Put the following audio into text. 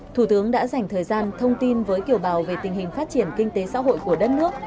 thủ tướng đã dành thời gian thông tin với kiều bào về tình hình phát triển kinh tế xã hội của đất nước